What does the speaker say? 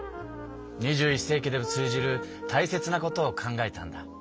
２１世紀でも通じるたいせつなことを考えたんだ。